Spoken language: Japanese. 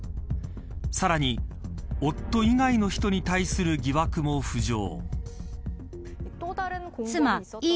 さらに夫以外の人に対する疑惑も浮上。